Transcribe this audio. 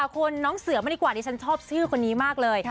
คุณน้องเสือมาดีกว่าดิฉันชอบชื่อคนนี้มากเลย